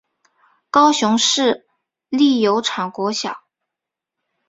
高雄市立油厂国小